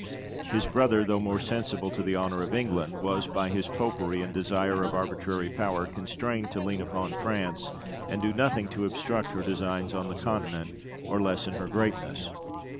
His brother, though more sensible to the honour of England, was by his Popery and desire of arbitrary power constrained to lean upon France, and do nothing to obstruct her designs on the Continent or lessen her greatness.